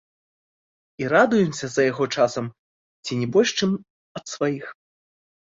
І радуемся за яго часам ці не больш, чым ад сваіх.